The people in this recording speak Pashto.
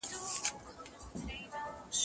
زه له سهاره د سبا لپاره د ليکلو تمرين کوم!